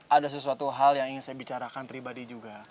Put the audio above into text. ada sesuatu hal yang ingin saya bicarakan pribadi juga